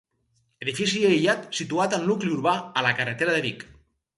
Edifici aïllat, situat al nucli urbà, a la carretera de Vic.